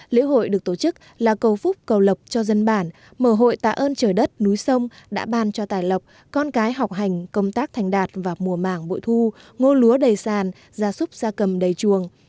lễ hội được tổ chức là cầu phúc cầu lọc cho dân bản mở hội tạ ơn trời đất núi sông đã ban cho tài lọc con cái học hành công tác thành đạt vào mùa mảng bội thu ngô lúa đầy sàn ra súp ra cầm đầy chuồng